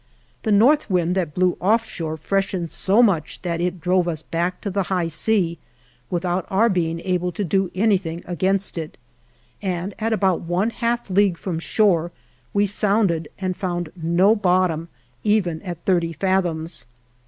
The north wind that blew off shore freshened so much that it drove us back to the high sea, without our being able to do anything against it, and at about one half league from shore we sound ed and found no bottom even at thirty fath oms.